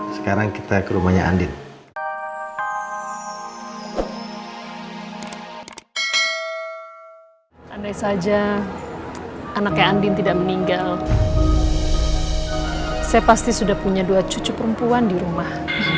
saya pasti sudah punya dua cucu perempuan di rumah